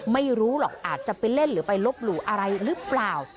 ไม่รู้หรอกอาจจะไปเล่นหรือไปลบหลู่อะไรหรือเปล่า